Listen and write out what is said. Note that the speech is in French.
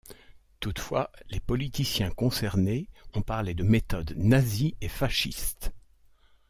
Toutefois, les politiciens concernés ont parlé de méthodes nazis et fascistes.